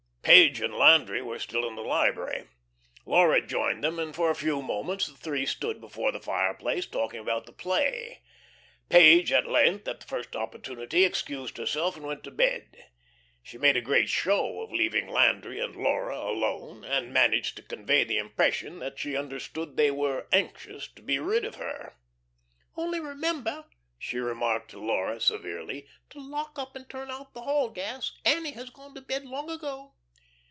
Page and Landry were still in the library. Laura joined them, and for a few moments the three stood before the fireplace talking about the play. Page at length, at the first opportunity, excused herself and went to bed. She made a great show of leaving Landry and Laura alone, and managed to convey the impression that she understood they were anxious to be rid of her. "Only remember," she remarked to Laura severely, "to lock up and turn out the hall gas. Annie has gone to bed long ago."